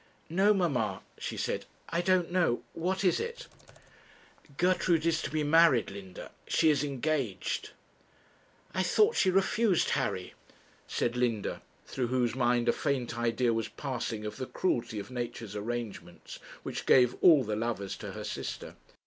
'No, mamma,' she said. 'I don't know what is it?' 'Gertrude is to be married, Linda. She is engaged.' 'I thought she refused Harry,' said Linda, through whose mind a faint idea was passing of the cruelty of nature's arrangements, which gave all the lovers to her sister.